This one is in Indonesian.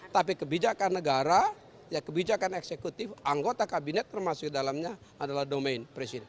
tapi kebijakan negara kebijakan eksekutif anggota kabinet termasuk dalamnya adalah domain presiden